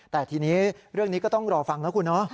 แต่ทีนี้เรื่องนี้ก็ต้องรอฟังนะคุณเนาะ